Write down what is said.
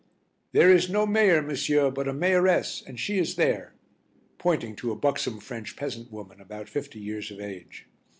"There is no Mayor, monsieur, but a mayoress, and she is there," pointing to a buxom French peasant woman about fifty years of age.